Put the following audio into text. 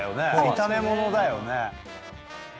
炒め物だよね。